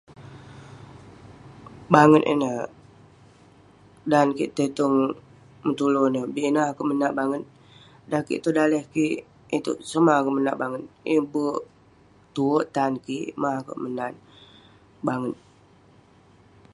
Banget ineh, dan kik tai tong bintulu ineh, bik ineh akouk menat banget..dan kik tong daleh kik itouk, somah akeuk menat banget..yeng berk tuwerk tan kik..mah akeuk menat banget.